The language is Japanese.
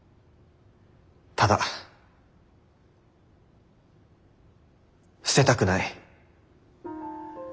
ただ捨てたくない。